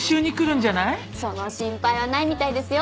その心配はないみたいですよ。